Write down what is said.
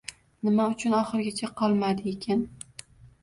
Nima uchun oxirigacha qolmadiykin